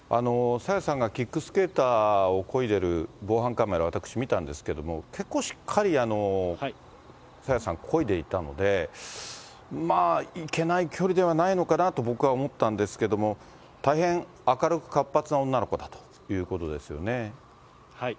朝芽さんがキックスケーターをこいでる防犯カメラ、私、見たんですけども、結構、しっかり朝芽さん、こいでいたので、行けない距離ではないのかなと僕は思ったんですけども、大変明るく活発な女の子だということですよね。